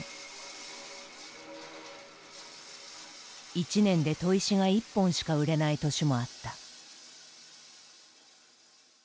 一年で砥石が１本しか売れない年もあった。